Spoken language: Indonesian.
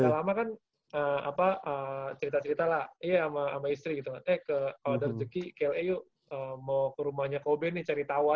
tak lama kan cerita cerita lah iya sama istri gitu eh ke kawasan rezeki kla yuk mau ke rumahnya kobe nih cari tau aja sampai mah